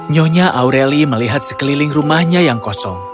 nyonya aureli melihat sekeliling rumahnya yang kosong